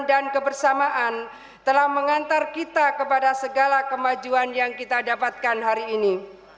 dan kebersamaan telah mengantar kita kepada segala kemajuan yang kita dapatkan hari ini